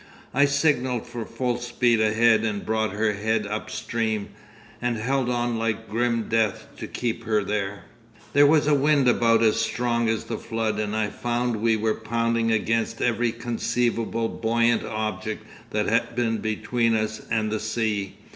I signalled for full speed ahead and brought her head upstream, and held on like grim death to keep her there. 'There was a wind about as strong as the flood, and I found we were pounding against every conceivable buoyant object that had been between us and the sea.